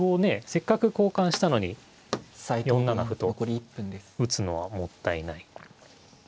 せっかく交換したのに４七歩と打つのはもったいない。